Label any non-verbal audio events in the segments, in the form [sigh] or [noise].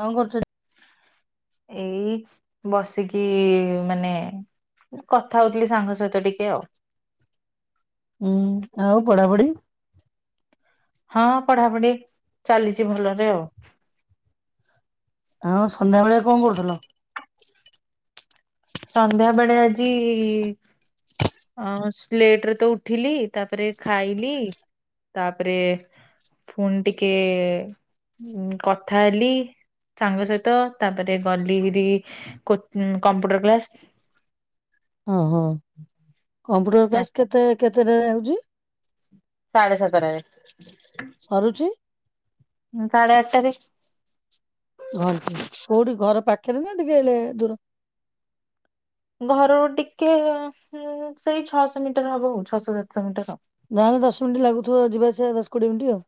କଣ କରୁଛନ୍ତି? ଏଇ ବସିଚି ମାନେ କଥା ହଉଥିଲି ସାଙ୍ଗ ସହିତ ଟିକେ ଆଉ। ହୁଁ ଆଉ ପଢାପଢି? ହଁ ପଢାପଢି ଚାଲିଛି ଭଲରେ ଆଉ। ହଁ ସନ୍ଧ୍ୟାବେଳେ କଣ କରୁଥିଲ? ସନ୍ଧ୍ୟା ବେଳେ ଆଜି ଅସ ଲେଟ ରେ ତ ଉଠିଲି ତାପରେ ଖାଇଲି ତାପରେ ପୁଣି ଟିକେ କଥା ହେଲି ସାଙ୍ଗ ସହିତ ତାପରେ ଗଲି ଇ କୁ କମ୍ପ୍ୟୁଟର କ୍ଲାସ। ଓ ହଁ କମ୍ପ୍ୟୁଟର କ୍ଲାସ ଆଚ୍ଛା କେତେ କେତେଟାରେ ହଉଜି? ସାଢ଼େ ସାତଟାରେ ସରୁଛି ସାଢ଼େ ଆଠଟାରେ ଘଣ୍ଟ କୋଉଠି ଘର ପାଖରେ ନା ଟିକିଏ ହେଲେ ଦୂର ଘର ଟିକେ ହୁଁ ସେଇ ଛଅଶ ମିଟର ହବ ହଉ ଛଅଶ ସାତଶ ମିଟର ହବ। ଯା ହେଲେ ଦଶ ମିନିଟ ଲାଗୁଥିବ ଯିବାଆସିବା ଦଶ କୋଡିଏ ମିନିଟ ଆଉ।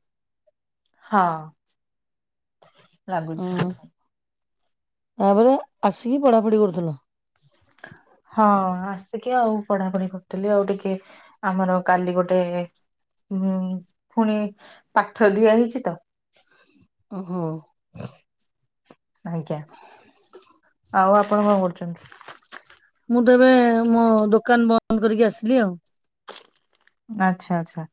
ହଁ ଲାଗୁଛି। ହଁ ତାପରେ ଆସିକି ପଢାପଢି କରୁଥିଲ? ହଁ ଆସିକି ଆଉ ପଢାପଢି କରୁଥିଲି ଆଉ ଟିକେ ଆମର ଆଉ କାଲି ଗୋଟେ ହୁଁ ଫୁଣି ପାଠ ଦିଆ ହେଇଛି ତ ଓହୋ। ଆଜ୍ଞା, ଆଉ ଆପଣ କଣ କରୁଛନ୍ତି? ମୁଁ ତ ଏବେ ମୋ ଦୋକାନ ବନ୍ଦ କରିକି ଆସିଲି ଆଉ। ଆଛା, ଆଛା।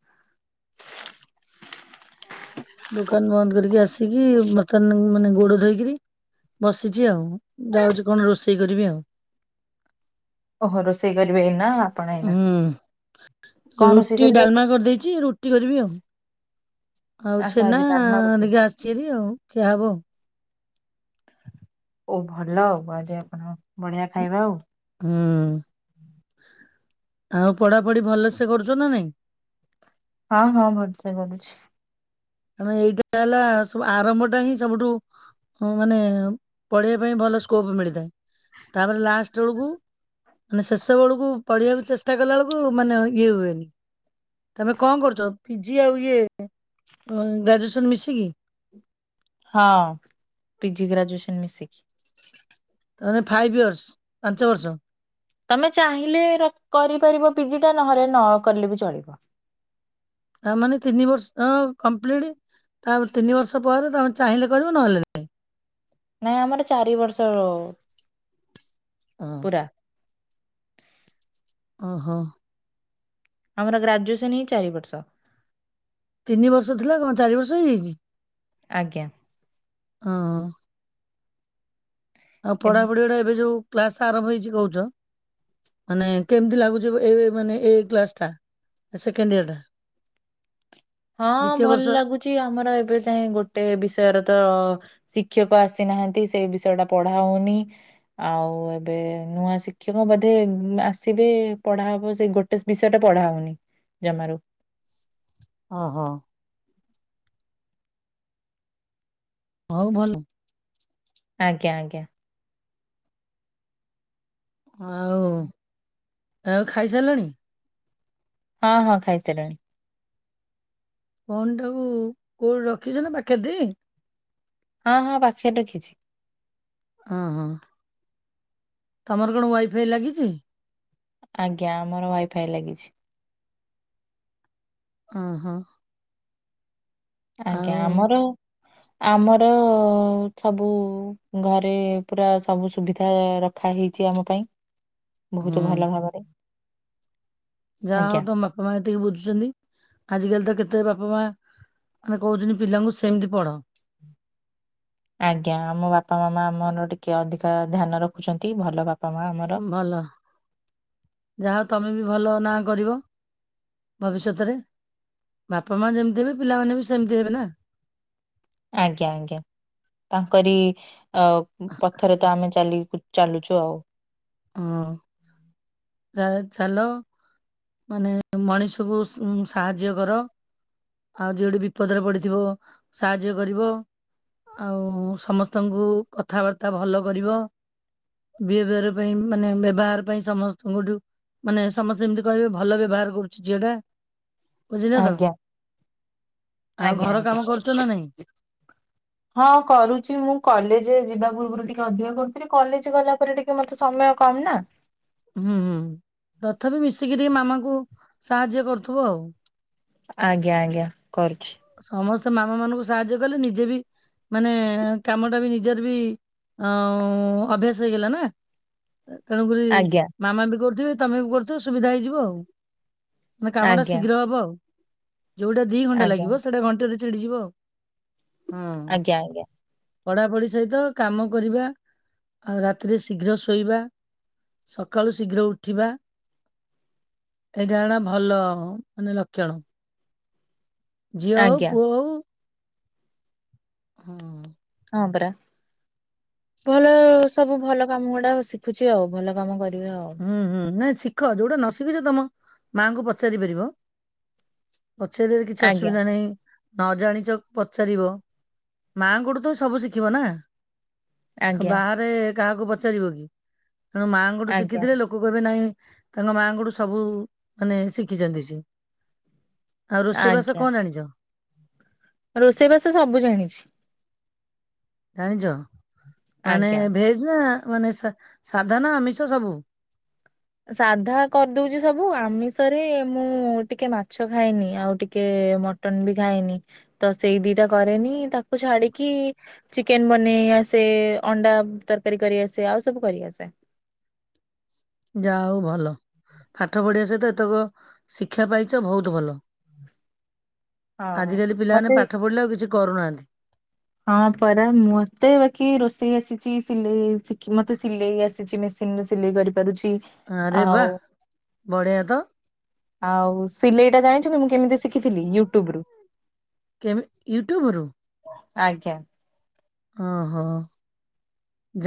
ଦୋକାନ ବନ୍ଦ କରିକି ଆସିକି ବର୍ତ୍ତମାନ ମାନେ ଗୋଡ ଧୋଇକିରି ବସିଚି ଆଉ, ଯାଉଛି କଣ ରୋଷେଇ କରିବି ଆଉ। ଓହୋ ରୋଷେଇ କରିବେ ଏଇନା? ଆପଣ ଏଇନା ହୁଁ କଣ ରୋଷେଇ ରୁଟି, କରିବେ ଆଜି? ଡାଲମା କରିଦେଇଛି, ରୁଟି କରିବି ଆଉ। ଆଉ ଆଚ୍ଛା ଛେନା ଆଜି ଡାଲମା ରୁଟି ନେଇକି ଆସଚିଭାରି ଆଉ ଖିଆହବ ଆଉ। ଓ ଭଲ ଆଉ ଆଜି ଆପଣ ବଢିଆ ଖାଇବା ଆଉ। ହୁଁ। ଆଉ ପଢା ପଢି ଭଲ ସେ କରୁଛ ନା ନାଇଁ? ହଁ, ହଁ ଭଲସେ ପଢୁଛି। ହେଲା ସବୁ ଆରମ୍ଭ ଟା ହିଁ ସବୁଠୁ ମାନେ ପଢିବା ପାଇଁ ଭଲ ସ୍କୋପ ମିଳିଥାଏ, ତାପରେ ଲାଷ୍ଟ ବେଳୁକୁ ମାନେ ଶେଷ ବେଳୁକୁ ପଢିବାକୁ ଚେଷ୍ଟା କଲା ବୁଳୁକୁ ମାନେ ଇଏ ହୁଏନି। ତମେ କଣ କରୁଛ, ପି ଜି ଆଉ ଇଏ ଅ ଗ୍ରାଜୁଏସନ ମିଶିକି? ହଁ ପିଜି ଗ୍ରାଜୁଏସନ ମିଶିକି। ତାମାନେ ଫାଇଭ ଇୟରର୍ସ ପାଞ୍ଚ ବର୍ଷ। ତମେ ଚାହିଁଲେ ର କରିପାରିବ ପି ଜି ଟା ନହଲେ ନକଲେ ବି ଚଳିବ। ତା ମାନେ ତିନି ବର୍ଷ ଅ କମ୍ପ୍ଲିଟ ତା ତିନି ବର୍ଷ ପରେ ତମେ ଚାହିଁଲେ କରିବ ନହେଲେ ନାହିଁ ନାଇଁ ଆମର ଚାରି ବର୍ଷ ହଁ। ପୁରା ଅହୋ। ଆମର ଗ୍ରାଜୁଏସନ ହିଁ ଚାରି ବର୍ଷ। ତିନି ବର୍ଷ ଥିଲା କଣ ଚାରି ବର୍ଷ ହେଇଯାଇଛି? ଆଜ୍ଞା। ହଁ। ଆଉ ଏବ ପଢାପଢି ଗୁଡା ଏବେ ଜଉ କ୍ଲାସ ଆରମ୍ଭ ହେଇଛି କହୁଛ। ମାନେ କେମିତି ଲାଗୁଛିିବ ଏଇ ମାନେ ଏଇ କ୍ଲାସ ଟା? ସେକେଣ୍ଡ ଇୟର ଟା। ହଁ ଦ୍ଵିତୀୟ ଭଲ ବର୍ଷ ଲାଗୁଚି ଆମର ଏବେ ଯାଏଁ ଗୋଟେ ବିଷୟରେ ତ ଶିକ୍ଷକ ଆସିନାହାନ୍ତି ସେ ବିଷୟ ଟା ପଢା ହଉନି। ଆଉ ଏବେ ନୂଆ ଶିକ୍ଷକ ବୋଧେ ଆସିବେ, ପଢା ହବ ସେ ଗୋଟେ ବିଷୟ ଟା ପଢା ହଉନି ଜମାରୁ। ଓ ହଁ। ହଉ ଭଲ। ଆଜ୍ଞା ଆଜ୍ଞା। ଆଉ ଆଉ ଖାଇସାରିଲଣି? ହଁ, ହଁ, ଖାଇସାରିଲିଣି। ଫୋନ୍ ଟାକୁ କୋଉଠି ରଖିଛ ନା ପାଖରେ ତି? ହଁ, ହଁ, ପାଖରେ ରଖିଛି। ଅ ହଁ। ତମର କଣ ୱାଇଫାଇ ଲାଗିଛି? ଆଜ୍ଞା, ଆମର ୱାଇଫାଇ ଲାଗିଛି। ଅ ହଁ। ଆଜ୍ଞା, ଆଉ ଆମର ଆମର ସବୁ ଘରେ ପୁରା ସବୁ ସୁବିଧା ରଖ ରଖା ହେଇଛି ଆମ ପାଇଁ ହୁଁ ବହୁତ ଭଲ ଭାବରେ‌। ଯାହା ହଉ ତମ ବାପା ମା ଏତିକି ବୁଝୁଛନ୍ତି, ଆଜିକାଲି ତ କେତେ ବାପା ମା ଖାଲି କହୁଛନ୍ତି ପିଲାଙ୍କୁ ସେମିତି ପଢ଼। ଆଜ୍ଞା, ଆମ ବାପା ମାମା ଆମ ମାନଙ୍କର ଟିକେ ଅଧିକା ଧ୍ୟାନ ରଖୁଛନ୍ତି ଭଲ ବା ଭଲ ଯାହା ହଉ ତମେ ବି ଭଲ ନା କରିବ। ଭବିଷ୍ୟତରେ ବାପା ମା ଯେମତି ହେବେ ପିଲାମାନେ ବି ସେମତି ହେବେ ନା। ଆଜ୍ଞା ଆଜ୍ଞା। ତାଙ୍କରି ଅ ପଥରେ ତ ଆମେ ଚାଲି ଚାଲୁଛୁ ଆଉ। ହୁଁ। ଯାହା ଚାଲ ମାନେ ମଣିଷକୁ ଉଁ ସାହାଯ୍ୟ କର। ଆଉ ଯିଏଠି ବିପଦରେ ପଡିଥିବ ସାହାଯ୍ୟ କରିବ। ଆଉ ସମସ୍ତଙ୍କୁ କଥାବାର୍ତ୍ତା ଭଲ କରିବ। ବିହେଭିଅର ପାଇଁ ମାନେ ବ୍ୟବହାର ପାଇଁ ସମ ସ୍ତଙ୍କ ଠୁ ମାନେ ସମସ୍ତେ ଯେମିତି କହିବେ ଭଲ ବ୍ୟବହାର କରୁଛି ଝିଅ ଟା। ବୁଝିନେ ତ। ଆଜ୍ଞା ଆଉ ଆଜ୍ଞା ଘର କାମ ଆଜ୍ଞା। କରୁଛ ନା ନାଇଁ ହଁ କରୁଛି, ମୁଁ କଲେଜ ଯିବା ପୂର୍ବରୁ ଟିକେ ଅଧିକା କରୁଥିଲି କଲେଜ ଗଲା ପରେ ଟିକେ। ଟିକେ ମତେ ସମୟ କମ ନା। ହୁଁ, ହୁଁ, ତଥାପି ମିଶିକି ରି ମାମାଙ୍କୁ ସାହାଯ୍ୟ କରୁଥିବ ଆଉ। ଆଜ୍ଞା, ଆଜ୍ଞା, କରୁଛି। ସମସ୍ତେ ମାମା ମାନଙ୍କୁ ସାହାଯ୍ୟ କଲେ ନିଜେ ବି। ମାନେ କାମଟା ବି ନିଜର ବି ଉଁ ଅଭ୍ୟାସ ହେଇଗଲା ନା। ଏ ତେଣୁକରି ଆଜ୍ଞା ମାମା ବି କରୁଥିବେ ତମେ ବି କରୁଥିବ ସୁବିଧା ହେଇଯିବ ଆଉ। ମାନେ କାମଟା ଆଜ୍ଞା ଶୀଘ୍ର ହବ ଆଉ, ଯୋଉଟା ଦି ଘଣ୍ଟା ଆଜ୍ଞା ଲାଗିବ ସେଇଟା ଘଣ୍ଟେରେ ଛିଡିଯିବ ଆଉ। ହଁ। ଆଜ୍ଞା ଆଜ୍ଞା ପଢାପଢି ସହିତ କାମ କରିବା ଆଉ ରାତିରେ ଶୀଘ୍ର ଶୋଇବା। ସକାଳୁ ଶୀଘ୍ର ଉଠିବା। ଏଇଟା ଗୋଟେ ଭଲ ମାନେ ଲକ୍ଷଣ। ଝିଅ ହଉ ଆଜ୍ଞା ପୁଅ ହଉ। ହୁଁ। ହଁ ପରା, ଭଲ ସବୁ ଭଲ କାମ ଗୁଡା ଶିଖୁଛି ଆଉ ଭଲ କାମ କରି। ଉଁ, ହୁଁ, ନାଇଁ ଶିଖ ଯୋଉଟା ନ ଶିଖିଛ ତମ ମାଆଙ୍କୁ ପଚାରି ପାରିବ। ପଚାରିବାରେ କିଛି ଆଜ୍ଞା ଅସୁବିଧା ନାହିଁ। ନ ଜାଣିଚ ପଚାରିବ ମାଆଙ୍କ ଠୁ ତ ସବୁ ଶିଖିବ ନା। ଆଉ ଆଜ୍ଞା ବାହାରେ କାହାକୁ ପଚାରିବ କି ତେଣୁ ମାଆଙ୍କଠୁ ଆଜ୍ଞା ଶିଖିଥିଲେ ଲୋକ। ଲୋକ କହିବେ ନାଇଁ ତାଙ୍କ ମା ଙ୍କଠୁ ସବୁ ମାନେ ଶିଖିଛନ୍ତି ସିଏ। ଆଉ ରୋଷେଇ ବାସ କଁ ଜାଣିଛ। ରୋଷେଇ ବାସ ସବୁ ଜାଣିଛି। ଜାଣିଛ ମାନେ ଆଜ୍ଞା। ଭେଜ ନା ମାନେ ସା ସାଧା ନା ଆମିଷ ସବୁ। ସାଧା କରିଦଉଛି ସବୁ ଆମିଷରେ ମୁଁ ଟିକେ ମାଛ ଖାଏନି ଆଉ ଟିକେ ମ ଟନ ବି ଖାଏନି ତ ସେଇ ଦିଟା କରେନି ତାକୁ ଛାଡିକି। ଚିକେନ ବନେଇ ଆସେ ଅଣ୍ଡା ତରକାରୀ କରିଆସେ ଆଉ ସବୁ କରିଆସେ। ଯା ହଉ ଭଲ ପାଠ ପଢିବା ସହିତ ଏତକ ଶିକ୍ଷା ପାଇଛ ବହୁତ ଭଲ। ହ ଆଜିକାଲି ପିଲାମାନେ ପାଠ ପଢ଼ିଲେ ଆଉ କିଛି କରୁନାହାନ୍ତି। ହଁ ପରା ମତେ ବାକି ରୋଷେଇ ଆସିଛି ସିଲେଇ ଶିଖି ମତେ ସିଲେଇ ଆସିଛି ମେସି ନ ରେ ସିଲେଇ କରିପାରୁଛି। ଆରେ ଆଉ ବାଃ ବଢ଼ିଆ ତ। ଆଉ ସିଲେଇ ଟା ଜାଣିଛନ୍ତି ମୁଁ କେମିତି ଶିଖିଥିଲି ୟୁଟ୍ୟୁବ ରୁ। କେମି ୟୁଟ୍ୟୁବ ରୁ। ଆଜ୍ଞା। ଅହୋ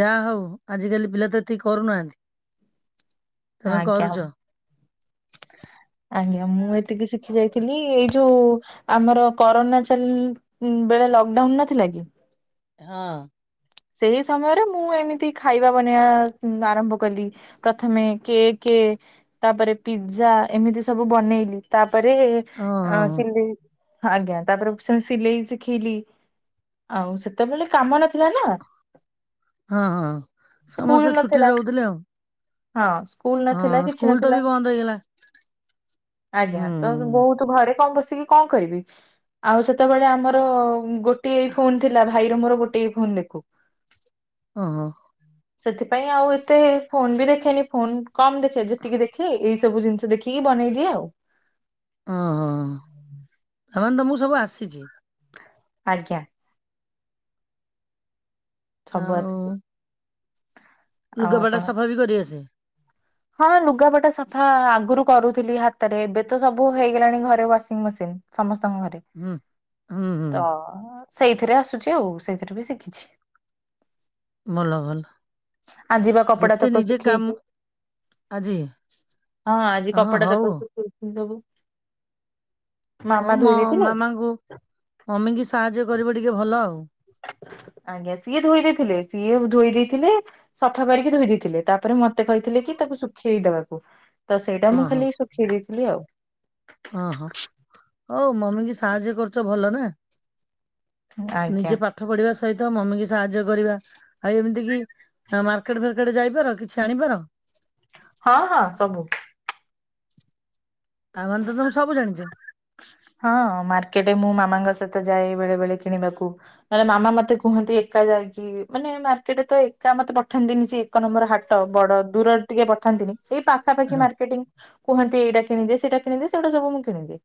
ଯା ହଉ ଆଜିକାଲି ପିଲା ତ ଏତିକି କରୁନାହାନ୍ତି। ତମେ ଆଜ୍ଞା କରୁଚ? ଆଜ୍ଞା ମୁଁ ଏତିକି ଶିଖି ଯାଇଥିଲି ଏଇ ଯୋଉ ଆମର କରୋନା ଚାଲି ବେଳେ ଲକ୍ ଡାଉନ୍ ନଥିଲା କି? ହଁ। ସେଇ ସମୟରେ ମୁଁ ଏମିତି ଖାଇବା ବନେଇବା ଆରମ୍ଭ କଲି। ପ୍ରଥମେ କେକେ ତାପରେ ପିଜଜା ଏମିତି ସବୁ ବନେଇଲି। ତାପରେ ଓହୋ ସିଲି ଆଜ୍ଞା ତାପରେ ସେ ସିଲେଇ ଶିଖୀଲି ଆଉ ସେତେବେଳେ କାମ ନଥିଲା ନା। ହଁ ହଁ। ସ୍କୁଲ୍ ସମସ୍ତେ ଛୁଟିରେ ନଥିଲା ରହୁଥିଲେ ଆଉ ହଁ। ସ୍କୁଲ ନଥିଲା ହଁ କିଛି ସ୍କୁଲ ତ ବି ନଥିଲା। ବନ୍ଦ ହେଇଗଲା ଆଜ୍ଞା ତ ହୁଁ। ବୋହୁତୁ ଘରେ କଁ ବସିକି କଁ କରିବି ଆଉ ସେତେବେଳେ ଆମର ଗୋଟିଏ ଫୋନ୍ ଥିଲା କଁ କରିବି? ଭାଇର ମୋର ଗୋଟେ ହି ଫୋନ୍ ଦେଖୁ। ଓ ହୋ। ସେଥିପାଇଁ ଆଉ ଏତେ ଫୋନ ବି ଦେଖେନି ଫୋନ କମ ଦେଖେ ଯେତିକି ଦେଖେ ଏଇ ସବୁ ଜିନ୍ ଦେଖିକି ବନେଇଦିଏ ଆଉ। ଓ ହୋଁ ତାମାନେ ତମୁକୁ ମୁଁ ସବୁ ଆସିଚି। ଆଜ୍ଞା। ସବୁ ଆସିଚି। ଆଉ ଲୁଗାପଟା ସଫା ବି କରିଆସେ। ହଁ ଲୁଗାପଟା ସଫା ଆଗରୁ କରୁଥିଲି ହାତରେ ଏବେ ତ ସବୁ ହେଇଗଲାଣି ଘରେ ୱାସିଂ ମସିନ୍। ସମସ୍ତଙ୍କ ଘରେ। ହୁଁ ହୁଁ ହୁଁ ତ ସେଇଥିରେ ଆସୁଛି ଆଉ ସେଇଥିରୁ ବି ଶିଖିଛି। ଭଲ ଭଲ ଆଜି ବା କପଡା ଯେତେ ତକ ନିଜେ କାମ୍ ଶୁଖେଇଛି ଆଜି ହଁ ଆଜି ହଁ କପଡଟା ତ ହଉ ସବୁ କିଣିଦୋବୁ। ହୋଉ ମୋ ମାମାଙ୍କୁ ମମି ଙ୍କି ସାହାଯ୍ୟ କରିବ ଟିକେ ଭଲ ଆଉ। ଆଜ୍ଞା ସିଏ ଧୋଇ ଦେଇଥିଲେ ସିଏ ଧୋଇ ଦେଇଥିଲେ ସଫା କରିକି ଧୋଇ ଦେଇେଇଥିଲେ ତାପରେ ମତେ କହିଥିଲେ କି ତାକୁ ଶୁଖେଇଦବାକୁ। ତ ସେଇଟା ମୁଁ ଓହୋ ଖାଲି ସୁଖେଇ ଦେଇଥିଲି ଆଉ। ହଁ ହଁ ହୋଉ ମମି ଙ୍କି ସାହାଯ୍ୟ କରୁଛ ଭଲ ନା, ଆଜ୍ଞା ନିଜେ ପା ପାଠ ପଢିବା ସହିତ ମମି କି ସାହାଯ୍ୟ କରିବା ଆଉ ଏମିତି କି ମାର୍କେଟ ଫାର୍କେଟ ଯାଇପାର କିଛି ଜାଣିପାର ହଁ ହଁ ସବୁ। ତାମାନେ ତ ତମେ ସବୁ ଜାଣିଛ। ହଁ ମାର୍କେଟେ ମୁଁ ମାମାଙ୍କ ସହିତ ଯାଏ ବେଳେ ବେଳେ କିଣିବାକୁ। ନହେଲେ ମାମା ମତେ କୁହନ୍ତି ଏକା ଯାଇକି ମାନେ ମାର୍କେଟ୍ ତ ଏକା ମତେ ପଠାନ୍ତିନି ସିଏ ଏକ ନମ୍ବର ହାଟ ବଡ ଦୂରରେ ଟିକେ ପଠାନ୍ତିନି ଏଇ ପା ତା ପାଖାି ହଁ ମାର୍କେଟିଂ କୁହନ୍ତି ଏଇଟା କିଣିଦେ ସେଇଟା ସବୁ କିଣଦେ ସେଇଗଟା ସବୁଁ କିଣି ଦିଏ।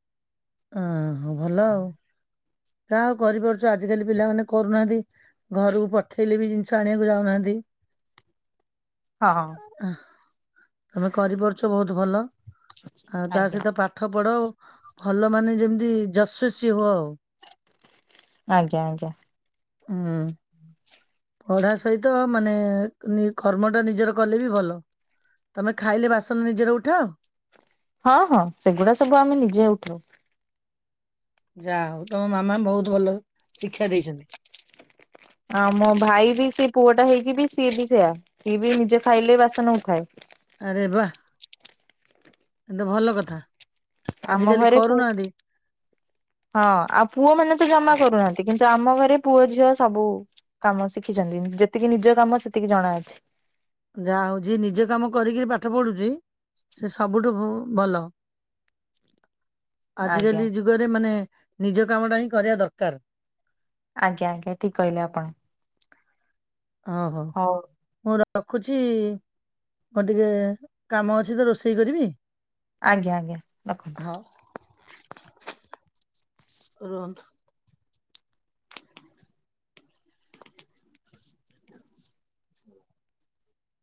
ଉ ହୁଁ ଭଲ ଆଉ। ଯା ହୋଉ କରିପାରୁଛ ଆଜିକାଲି ପିଲାମାନେ କରୁନାହାନ୍ତି ଘରୁକୁ ପଠେଇଲେ ବି ଜିନ୍ଷ ଆଣିବାକୁ ଯାଉନାହାନ୍ତି। ହଁ। ତମେ କରିପାରୁଛ ବୋହୁତୁ ଭଲ ଆଉ ତା ଆଜ୍ଞା ସହିତ ପା ଠ ପଢ ଭଲ ମାନେ ଯେମିତି ଜସ୍ଵଶି ହୁଅ ଆଉ। ଆଜ୍ଞା ଆଜ୍ଞା।। ହୁଁ। ପଢା ସହିତ ମାନେ କର୍ମଟା ନିଜର କଲେ ବି ଭଲ। ତମେ ଖାଇଲେ ବାସନ ନିଜର ଉଠାଅ? ହଁ ହଁ ସେଗୁଡା ସବୁ ଆମେ ନିଜେ ଉଠାଉ। ଯା ହୋଉ ତମ ମାମା ବୋହୁତୁ ଭଲ ଶିକ୍ଷା ଦେଇଛନ୍ତି। ଆ ମୋ ଭାଇ ବି ସେ ପୁଅ ଟା ହେଇକି ବି ସିଏ ବି ସେୟା ସିଏ ବି ନିଜେ ଖାଇଲେ ବାସନ ଉଠାଏ। ଆରେ ବା ଏତ ଭଲ କଥା। ଆମ ଆଜିକାଲି ଘରେ କୁ କରୁନାହାନ୍ତି ହଁ ଆଉ ପୁଅ ମାନେ ତ ଜମା କରୁନାହାନ୍ତି କିନ୍ତୁ ଆମ ଘରେ ପୁଅ ଝିଅ ସବୁ କାମ ଶିଖିଚନ୍ତି ଯେତିକି ନିଜ କାମ ସେତିକି ଜଣାଅଛି। ଯାହା ହଉ ଯିଏ ନିଜେ କାମ କରିକି ପାଠ ପଢୁଚି [inaudible] ସବୁଠୁ ଭଲ ଆଜ୍ଞା। ଆଜିକାଲି ଯୁ ଯୁଗରେ ମାନେ ନିଜ କାମ ଟା ହିଁ କରିବା ଦରକାର। ଆଜ୍ଞା ଆଜ୍ଞା ଠିକ କହିଲେ ଆପଣ। ଓ ହୋ ହଉ ମୁଁ ରଖୁଚି ମୋର ଟିକେ କାମ ଅଛି ତ ରୋଷେଇ କରିବି। ଆଜ୍ଞା ଆଜ୍ଞା ରଖନ୍ତୁ। ହଁ ରୁହନ୍ତୁ।